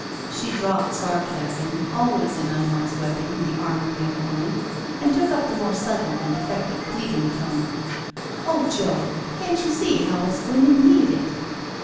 She dropped sarcasm, always an unwise weapon in the armoury of a woman, and took up the more subtle and effective pleading tone. " Oh, Joe, can't you see how us women need it?"